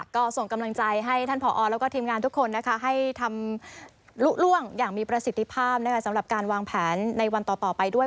ก็ส่งกำลังใจให้ท่านผอแล้วก็ทีมงานทุกคนนะคะให้ทำลุล่วงอย่างมีประสิทธิภาพสำหรับการวางแผนในวันต่อไปด้วย